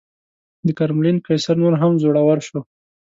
د کرملین قیصر نور هم زړور شو.